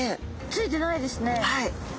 ついてないですね。